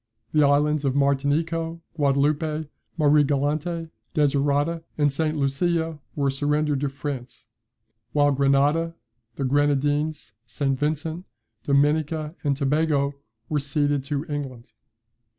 The islands of Martinico, Guadaloupe, Mariegalante, Desirada, and St. Lucia, were surrendered to France; while Grenada, the Grenadines, St. Vincent, Dominica, and Tobago, were ceded to England.